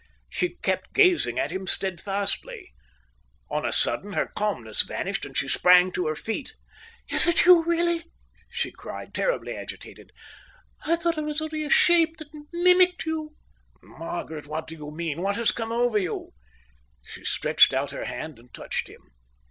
She kept gazing at him steadfastly. On a sudden her calmness vanished, and she sprang to her feet. "Is it you really?" she cried, terribly agitated. "I thought it was only a shape that mimicked you." "Margaret, what do you mean? What has come over you?" She stretched out her hand and touched him.